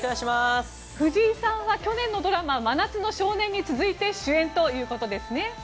藤井さんは去年のドラマ「真夏の少年」に続いて主演ということですね。